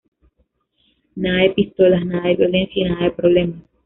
Nada de pistolas, nada de violencia y nada de problemas.